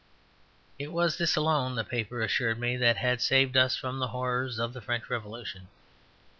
It was this alone, the paper assured me, that had saved us from the horrors of the French Revolution.